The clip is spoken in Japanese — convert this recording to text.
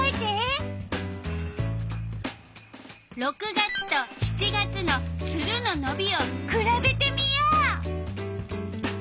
６月と７月のツルののびをくらべてみよう。